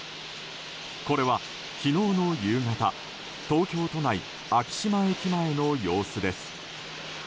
これは昨日の夕方、東京都内昭島駅前の様子です。